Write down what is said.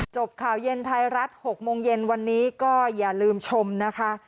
จบข่าวเย็นไทยรัฐ๖โมงเย็นวันนี้ก็อย่าลืมชมนะคะ